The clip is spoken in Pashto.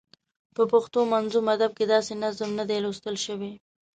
په پښتو منظوم ادب کې داسې نظم نه دی لوستل شوی.